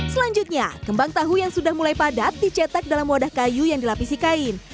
selanjutnya kembang tahu yang sudah mulai padat dicetak dalam wadah kayu yang dilapisi kain